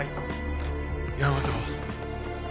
大和。